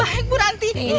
baik baik bu ranti